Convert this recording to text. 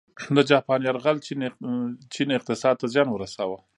د جاپان یرغل چین اقتصاد ته زیان ورساوه.